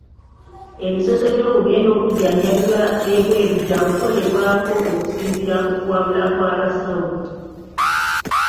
Emisoso gy'okugenda okujjanjabirwa ebweru gy'akukolebwako okusinziira ku kuwabula kw'abasawo.